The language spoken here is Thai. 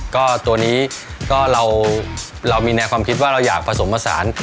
ก็ตัวนี้ก็เรามีแนวความคิดว่าเราอยากผสมผสาน